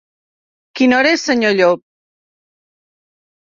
Quina hora és, senyor Llop?